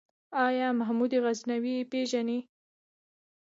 آيا محمود غزنوي پېژنې ؟